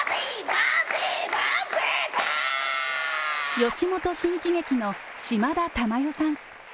吉本新喜劇の島田珠代さん。